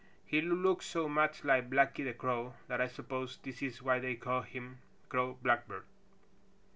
He looks so much like Blacky the Crow that I suppose this is why they call him Crow Blackbird."